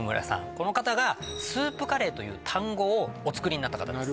この方がスープカレーという単語をお作りになった方です